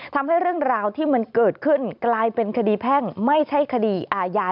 ทำให้เรื่องราวที่มันเกิดขึ้นกลายเป็นคดีแพ่งไม่ใช่คดีอาญา